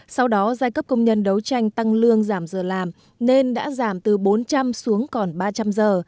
sau đó giai cấp công nhân đấu tranh tăng lương giảm giờ làm nên đã giảm từ bốn trăm linh xuống còn ba trăm linh giờ